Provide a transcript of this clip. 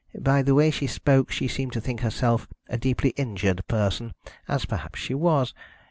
By the way she spoke she seemed to think herself a deeply injured person, as perhaps she was.